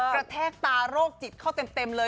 แทกตาโรคจิตเข้าเต็มเลย